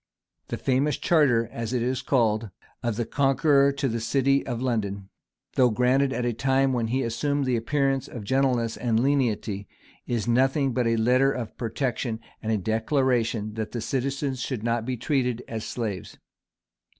[] The famous charter, as it is called, of the Conqueror to the city of London, though granted at a time when he assumed the appearance of gentleness and lenity, is nothing but a letter of protection, and a declaration that the citizens should not be treated as slaves.